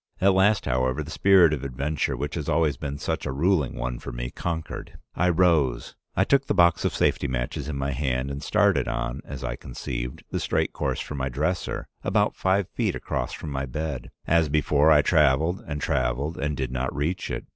"At last, however, the spirit of adventure, which has always been such a ruling one for me, conquered. I rose. I took the box of safety matches in my hand, and started on, as I conceived, the straight course for my dresser, about five feet across from my bed. As before, I traveled and traveled and did not reach it.